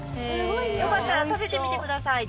よかったら食べてみてください。